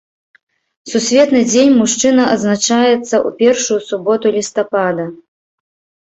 Сусветны дзень мужчына адзначаецца ў першую суботу лістапада.